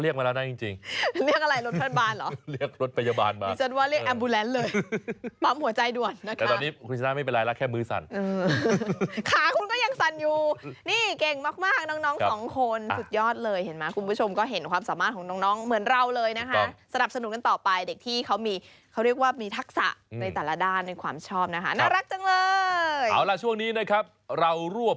คุณต้นส่งมาฝากคุณชนะไปโรงพยาบาลด่วนค่ะ